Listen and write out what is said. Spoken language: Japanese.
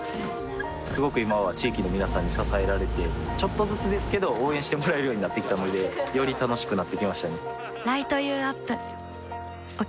すごく今は地域の皆さんに支えられてちょっとずつですけど応援してもらえるようになってきたのでより楽しくなってきましたね